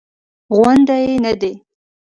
غونډ یې نه دی.